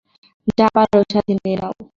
যা পারো সাথে নিয়ে নাও।